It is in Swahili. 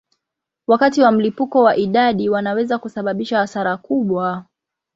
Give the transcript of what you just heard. Wakati wa mlipuko wa idadi wanaweza kusababisha hasara kubwa.